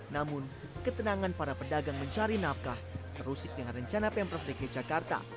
namun ketenangan para pedagang mencari nafkah terusik dengan rencana pemprov dki jakarta